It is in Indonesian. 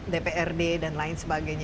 dprd dan lain sebagainya